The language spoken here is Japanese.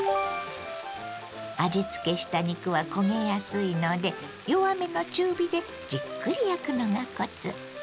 味つけした肉は焦げやすいので弱めの中火でじっくり焼くのがコツ。